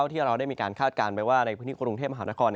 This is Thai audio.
ที่เราได้มีการคาดการณ์ไว้ว่าในพื้นที่กรุงเทพมหานคร